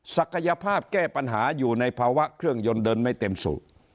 ศักยภาพแก้ปัญหาอยู่ในภาวะเครื่องยนต์เดินไม่เต็มสู่